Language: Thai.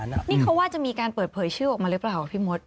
นี่เขาว่าจะมีการเปิดเผยชื่อออกมาหรือเปล่าพี่มด